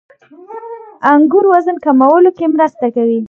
• انګور وزن کمولو کې مرسته کوي.